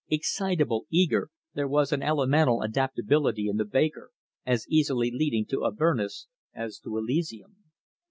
Excitable, eager, there was an elemental adaptability in the baker, as easily leading to Avernus as to Elysium.